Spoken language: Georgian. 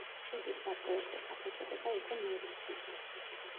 ხიდის საპროექტო სახელწოდება იყო ნევის ხიდი.